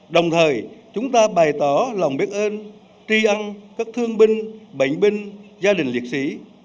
đồng thời chúng ta bày tỏ lòng biết ơn tri ân các thương binh bệnh binh gia đình liệt sĩ